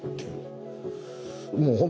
もう本当